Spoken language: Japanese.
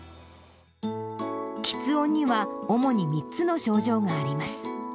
きつ音には、主に３つの症状があります。